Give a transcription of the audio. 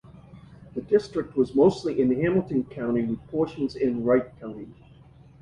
The district was mostly in Hamilton County with portions in Wright County.